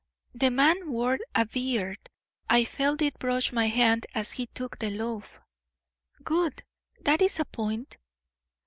"The man wore a beard. I felt it brush my hand as he took the loaf." "Good! That is a point."